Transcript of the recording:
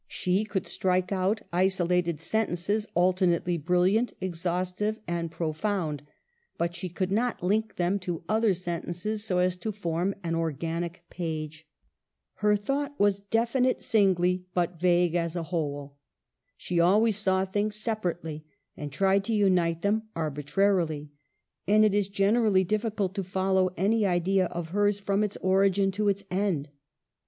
She could strike out isolated sentences alternately bril liant, exhaustive and profound, but she could not link them to other sentences so as to form an organic page. Her thought was definite singly, but vague as a whole. She always saw things separately, and tried to unite them arbitrarily, and it is generally difficult to follow out any idea of hers from its origin to its end.